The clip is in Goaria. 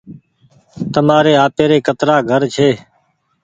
تمآري آپيري ڪترآ گهر ڇي۔